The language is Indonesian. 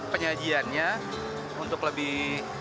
penyajiannya untuk lebih